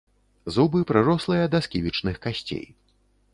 Зубы прырослыя да сківічных касцей.